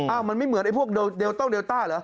มันไม่เหมือนไอ้พวกเลโต้เดลต้าเหรอ